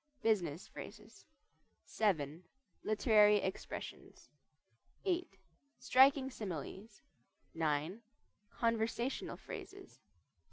BUSINESS PHRASES VII. LITERARY EXPRESSIONS VIII. STRIKING SIMILES IX. CONVERSATIONAL PHRASES X.